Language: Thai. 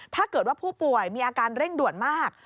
ถ้าเกิดว่าผู้ป่วยมีอาการเร่งด่วนมาก